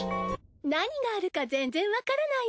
何があるか全然わからないわ。